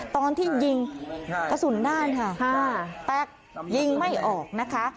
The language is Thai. ตอนที่ยิงกระสุนด้านค่ะแตกยิงไม่ออกนะคะ